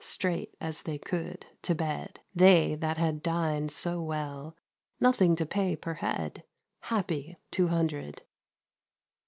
Straight as they could, to bed — They that had dined so" well — Nothing to pay per head^ Happy Two Hundred